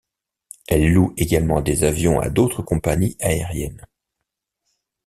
Elle loue également des avions à d'autres compagnies aériennes.